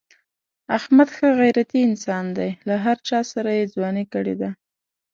احمد ښه غیرتی انسان دی. له هر چاسره یې ځواني کړې ده.